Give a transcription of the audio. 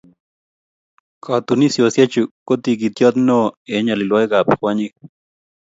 Katunisiosechu ko tigitiot neo eng nyolilwokikab kwonyik